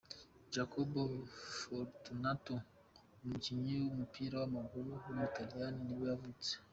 Jacopo Fortunato, umukinnyi w’umupira w’amaguru w’umutaliyani nibwo yavutse.